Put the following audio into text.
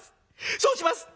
そうします。